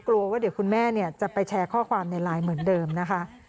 กลัวว่าเดี๋ยวคุณแม่จะไปแชร์ข้อความในไลน์เหมือนเดิมนะคะ